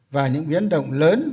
và những biến động lớn